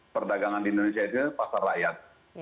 perdagangan di indonesia itu pasar rakyat